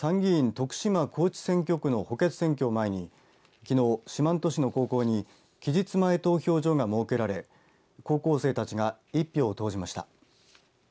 徳島高知選挙区の補欠選挙を前にきのう、四万十市の高校に期日前投票所が設けられ高校生たちが一票を投じました。